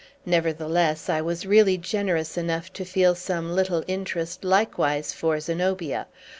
Nevertheless, I was really generous enough to feel some little interest likewise for Zenobia.